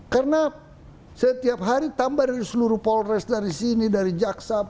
karena setiap hari tambah dari seluruh polres dari sini dari jaksa